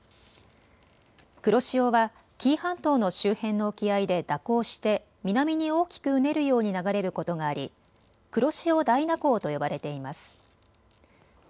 黒潮は紀伊半島の周辺の沖合で蛇行して南に大きくうねるように流れることがあり黒潮大蛇行と呼ばれています。